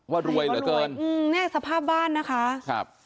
ว่ารวยเหลือเกินอืมเนี่ยสภาพบ้านนะคะครับ